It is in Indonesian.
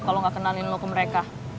kalo gak kenalin lo ke mereka